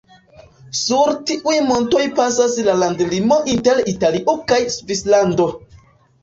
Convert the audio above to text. Sur tiuj montoj pasas la landlimo inter Italio kaj Svislando.